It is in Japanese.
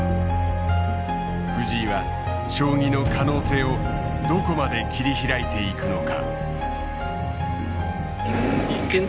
藤井は将棋の可能性をどこまで切り開いていくのか。